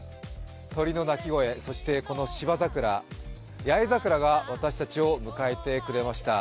鳥の鳴き声、そしてこの芝桜八重桜が私たちを迎えてくれました。